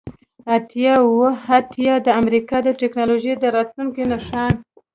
اتیا اوه اتیا د امریکا د ټیکنالوژۍ د راتلونکي نښان